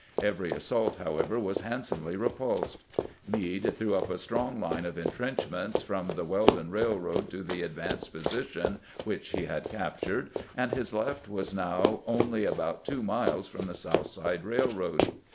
Every assault, however, was handsomely repulsed. Meade threw up a strong line of intrenchments from the Weldon Railroad to the ad vanced position which he had captured, and his left was now only about two miles from the South Side Eailroad.